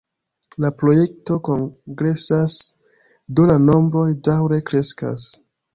La projekto progresas, do la nombroj daŭre kreskas.